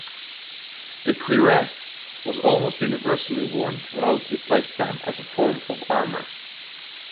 The cuirass was almost universally worn throughout its lifespan as a form of armour.